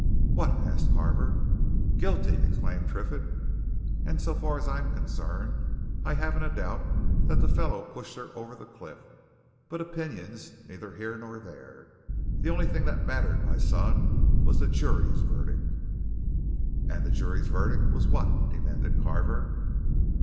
"What?" asked Carver. "Guilty!" exclaimed Triffitt. "And so far as I'm concerned, I haven't a doubt that the fellow pushed her over the cliff. But opinion's neither here nor there. The only thing that mattered, my son, was the jury's verdict!" "And the jury's verdict was what?" demanded Carver.